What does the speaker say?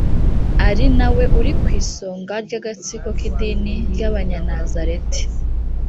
ari na we uri ku isonga ry agatsiko k idini ry abanyanazareti